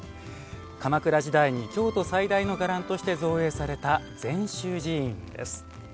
鎌倉時代に京都最大の伽藍として造営された禅宗寺院です。